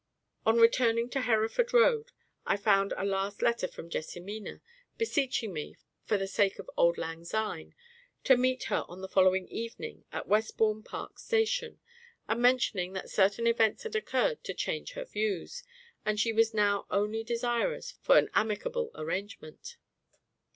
On returning to Hereford Road, I found a last letter from JESSIMINA, beseeching me, for the sake of "Old Langsyne," to meet her on the following evening at Westbourne Park Station, and mentioning that certain events had occurred to change her views, and she was now only desirous for an amicable arrangement.